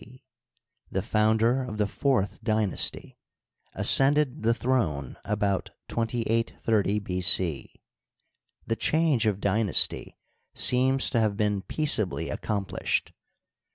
C), the founder of the fourth dynasty, ascended the throne about 2830 B. c. The change of dynasty seems to have been peaceably accomplished.